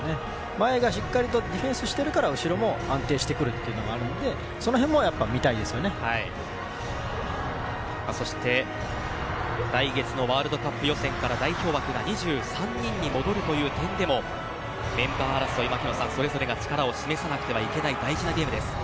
前がしっかりとディフェンスしてるから後ろも安定してくるというのがあるのでそして来月のワールドカップ予選から代表枠が２３人に戻るという点でもメンバー争い、槙野さんそれぞれが力を示さなくてはいけない大事なゲームです。